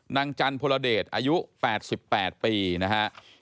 นางจันพลเดชอายุ๘๘ปีนะฮะ